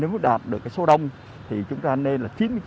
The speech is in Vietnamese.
nếu đạt được cái số đông thì chúng ta nên là chín mươi chín